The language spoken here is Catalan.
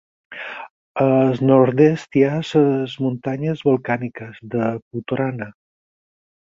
Al nord-oest hi ha les muntanyes volcàniques de Putorana.